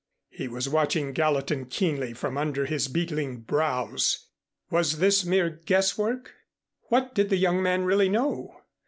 He was watching Gallatin keenly from under his beetling brows. Was this mere guess work? What did the young man really know?